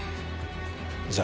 じゃあ。